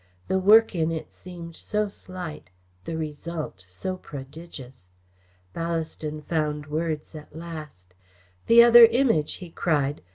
The work in it seemed so slight; the result so prodigious. Ballaston found words at last. "The other Image!" he cried.